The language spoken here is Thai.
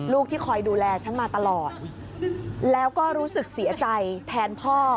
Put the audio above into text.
ที่คอยดูแลฉันมาตลอดแล้วก็รู้สึกเสียใจแทนพ่อ